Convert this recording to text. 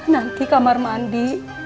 nanti kamar mandi